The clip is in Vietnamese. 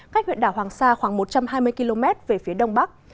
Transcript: cách huyện đảo hoàng sa khoảng một trăm hai mươi km về phía đông bắc